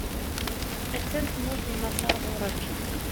A-tt-an tmurt n Maṣer ɣur-k.